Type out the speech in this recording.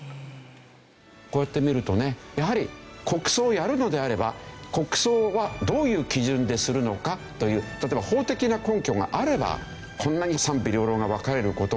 こうやってみるとねやはり国葬をやるのであれば国葬はどういう基準でするのかという例えば法的な根拠があればこんなに賛否両論が分かれる事もない。